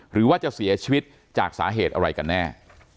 หรือว่าจะเสียชีวิตจากสาเหตุอะไรกันแน่